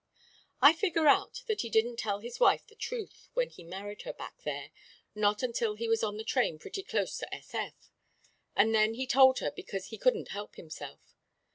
"I figger out that he didn't tell his wife the truth when he married her back there, not until he was on the train pretty close to S.F., and then he told her because he couldn't help himself.